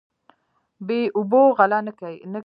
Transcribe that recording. بې اوبو غله نه کیږي.